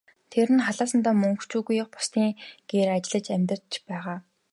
Тэр нь халаасандаа мөнгө ч үгүй, бусдын гэрт ажиллаж амьдарч байгаа.